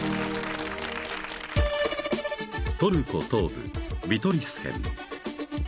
［トルコ東部ビトリス県］